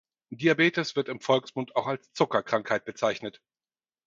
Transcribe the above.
Diabetes wird im Volksmund auch als Zuckerkrankheit bezeichnet.